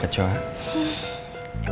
suaranya kayak kenal